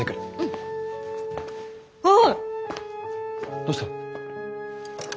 どうした？